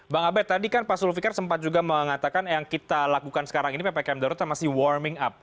bang abed tadi kan pak sulfikar sempat juga mengatakan yang kita lakukan sekarang ini ppkm darurat masih warming up